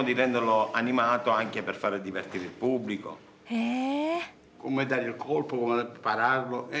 へえ。